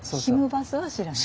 バスは知らない。